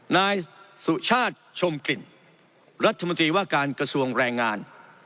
นายสุชาติชมกลิ่นรัฐมนตรีว่าการกระทรวงแรงงาน